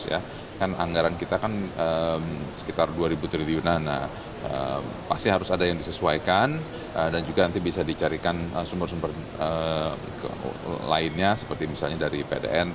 kan anggaran kita kan sekitar dua ribu triliunan pasti harus ada yang disesuaikan dan juga nanti bisa dicarikan sumber sumber lainnya seperti misalnya dari pdn